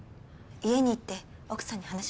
家に行って奥さんに話を聞いてきました。